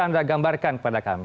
anda gambarkan kepada kami